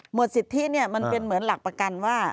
สิทธิเนี่ยมันเป็นเหมือนหลักประกันว่า